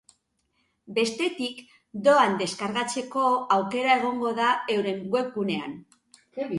Bestetik, doan deskargatzeko aukera egongo da euren webgunean.